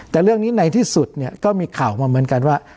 แต่เรื่องนี้ในที่สุดเนี่ยก็มีข่าวมาเหมือนกันว่า